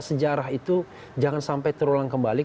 sejarah itu jangan sampai terulang kembali